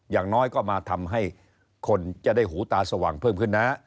อย่างน้อยก็มาทำให้คนจะได้หูตาสว่างเพิ่มขึ้นนะ